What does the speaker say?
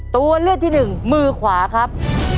ตัวเลือกที่หนึ่งมือขวาครับ